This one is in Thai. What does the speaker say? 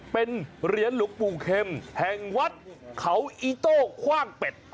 เป็นเหรียญหลวงหลวงอยุธิแห่งวัดเขาอี้โต้คว้างเบ็ด